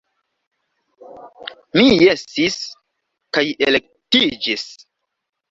Mi jesis, kaj elektiĝis.